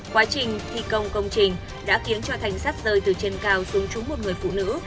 quá trình thi công công trình đã khiến cho thanh sắt rơi từ trên cao xuống trúng một người phụ nữ